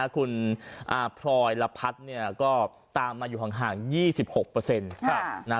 คุณพรอยระพัดเนี่ยก็ตามมาอยู่ห่าง๒๖ค่ะ